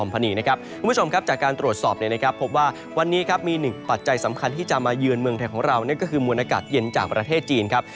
คุณผู้ชมครับจากการตรวจสอบพบว่าวันนี้ครับมีหนึ่งปัจจัยสำคัญที่จะมาเยือนเมืองไทยของเรานั่นก็คือมวลอากาศเย็นจากประเทศจีนครับ